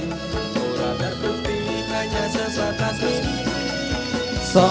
murah dan putih hanya sesatlah meski